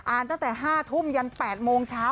ตั้งแต่๕ทุ่มยัน๘โมงเช้า